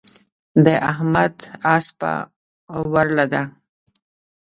د احمد اسپه ورله ده.